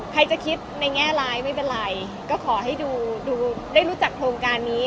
ใครจะคิดในแง่ร้ายไม่เป็นไรก็ขอให้ดูได้รู้จักโครงการนี้